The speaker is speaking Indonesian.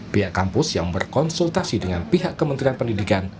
pihak kampus yang berkonsultasi dengan pihak kementerian pendidikan